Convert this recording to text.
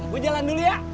gue jalan dulu ya